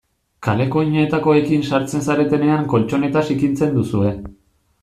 Kaleko oinetakoekin sartzen zaretenean koltxoneta zikintzen duzue.